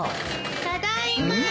ただいま。